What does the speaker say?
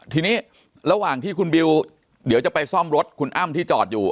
ทีนี้ระหว่างที่คุณบิวเดี๋ยวจะไปซ่อมรถคุณอ้ำที่จอดอยู่